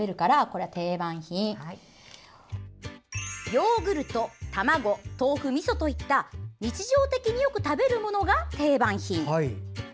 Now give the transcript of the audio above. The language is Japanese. ヨーグルト、卵豆腐、みそといった日常的によく食べるものが定番品。